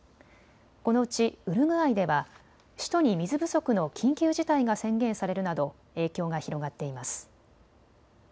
このうちウルグアイでは首都に水不足の緊急事態が宣言されるなど影響が広がっています。